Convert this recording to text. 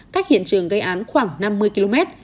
cách hiện trường gây án khoảng năm mươi km